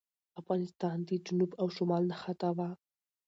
افغانستان د جنوب او شمال نښته وه.